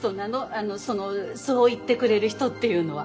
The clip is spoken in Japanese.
あのそのそう言ってくれる人っていうのは。